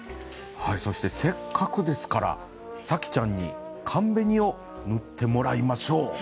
そしてせっかくですから紗季ちゃんに寒紅を塗ってもらいましょう。